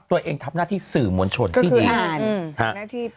ตัวเองทำหน้าที่สื่อมวลชนที่ดี